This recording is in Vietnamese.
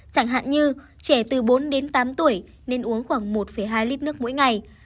chẳng hạn như trẻ từ bốn đến tám tuổi nên uống khoảng một hai lít nước mỗi ngày